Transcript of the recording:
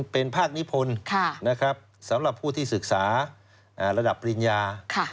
เป็นภาคนิพนธ์สำหรับผู้ที่ศึกษาระดับปริญญา